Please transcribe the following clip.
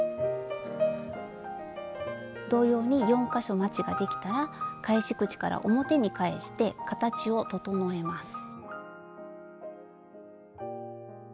同様に４か所まちができたら返し口から表に返して形を整えます。